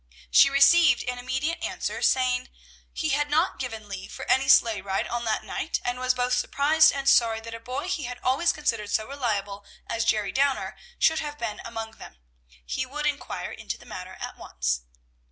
She received an immediate answer, saying, "He had not given leave for any sleigh ride on that night, and was both surprised and sorry that a boy he had always considered so reliable as Jerry Downer should have been among them. He would inquire into the matter at once."